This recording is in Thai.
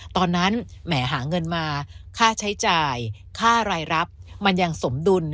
แหมหาเงินมาค่าใช้จ่ายค่ารายรับมันยังสมดุล